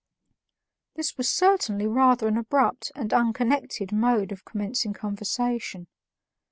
This was certainly rather an abrupt and unconnected mode of commencing conversation.